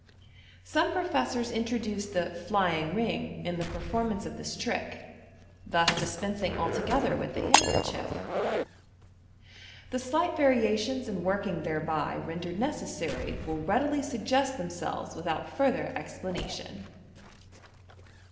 Some professors introduce the " flying ring " in the performance of this trick, thus dispensing altogether with the handkerchief. The slight variations in working thereby rendered necessary will readily tuggest themselves without further explanation.